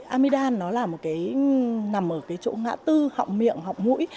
amidam nó là một cái nằm ở cái chỗ ngã tư họng miệng họng mũi